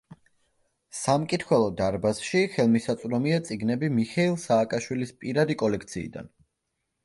სამკითხველო დარბაზში ხელმისაწვდომია წიგნები მიხეილ სააკაშვილის პირადი კოლექციიდან.